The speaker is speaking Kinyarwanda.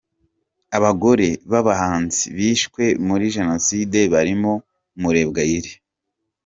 Abagore babahanzi bishwe muri Jenoside barimo: Murebwayire.